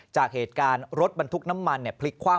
จากเหตุการณ์รถบรรทุกน้ำมันพลิกคว่ำ